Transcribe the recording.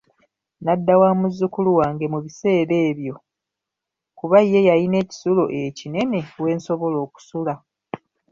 Nadda wa muzukulu wange mu biseera ebyo kuba ye yayina ekisulo ekinene w'ensobola okusula.